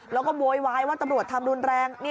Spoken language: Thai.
แล้วก็โวยวายว่าตำรวจทำรุนแรง